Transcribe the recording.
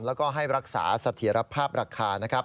แล้วก็ให้รักษาเสถียรภาพราคานะครับ